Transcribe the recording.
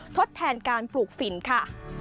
ทดแทนการปลูกฝิ่นค่ะ